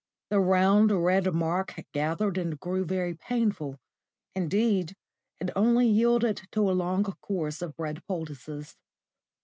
The round, red mark gathered and grew very painful. Indeed it only yielded to a long course of bread poultices.